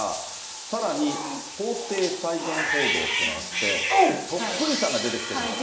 さらに、法廷再現報道っていうのがあって、そっくりさんが出てきてるんですね、今。